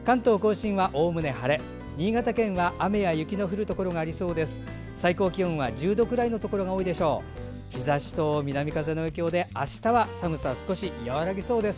新潟県は雨や雪の降るところがありそうです。